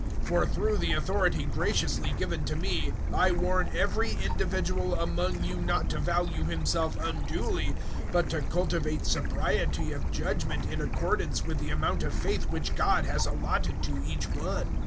012:003 For through the authority graciously given to me I warn every individual among you not to value himself unduly, but to cultivate sobriety of judgement in accordance with the amount of faith which God has allotted to each one.